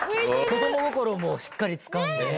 子ども心もしっかりつかんで。